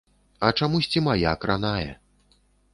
А чамусьці мая кранае.